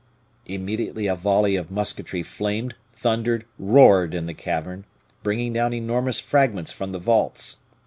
Immediately a volley of musketry flamed, thundered, roared in the cavern, bringing down enormous fragments from the vaults.